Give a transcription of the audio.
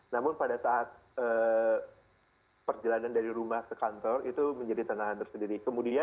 namun pada saat perjalanan dari rumah ke kantor itu menjadi tantangan tersendiri